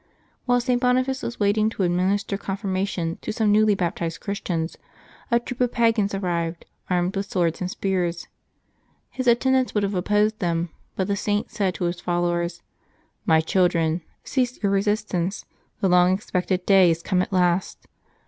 While St. Boniface was waiting to administer Confirma tion to some newly baptized Christians, a troop of pagans arrived, armed with swords and spears. His attendants would have opposed them, but the Saint said to his fol lowers :" My children, cease your resistance ; the long expected day is come at last.